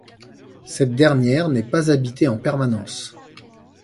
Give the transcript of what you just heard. Cette dernière n'est pas habitée en permanence.